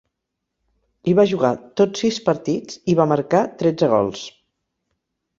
Hi va jugar tots sis partits, i va marcar tretze gols.